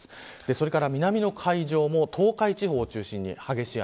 それから南の海上も、東海地方を中心に激しい雨。